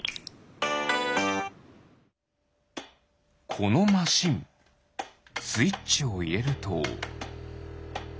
このマシンスイッチをいれると。